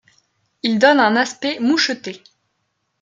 Il donne un aspect moucheté.